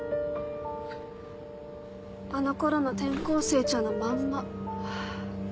あの頃の転校生ちゃんのまんまハァ。